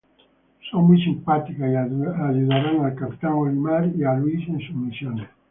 Son muy simpáticas, y ayudarán a Capitán Olimar y a Louie en sus misiones.